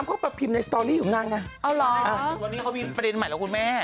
วันนี้เขามีประเด็นใหม่แล้วคุณแม่